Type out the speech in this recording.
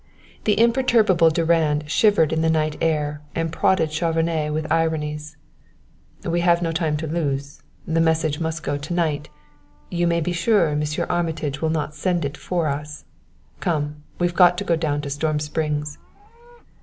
The imperturbable Durand shivered in the night air and prodded Chauvenet with ironies. "We have no time to lose. That message must go tonight. You may be sure Monsieur Armitage will not send it for us. Come, we've got to go down to Storm Springs."